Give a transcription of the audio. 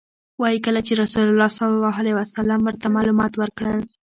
وایي کله چې رسول الله صلی الله علیه وسلم ورته معلومات ورکړل.